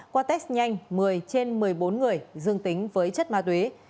qua test nhanh một mươi trên một mươi bốn người dương tính với chất ma túy